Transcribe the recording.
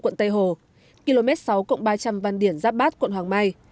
quận tây hồ km sáu ba trăm linh văn điển giáp bát quận hoàng mai